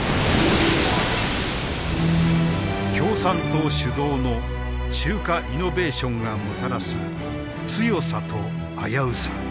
共産党主導の中華イノベーションがもたらす強さと危うさ。